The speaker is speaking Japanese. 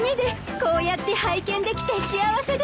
こうやって拝見できて幸せです。